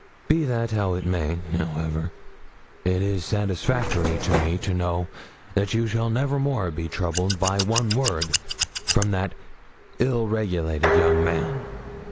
Be that how it may, however, it is satisfactory to me to know that you shall never more be troubled by one word from that ill regulated young man.